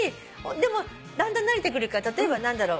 だんだん慣れてくるから例えば何だろう。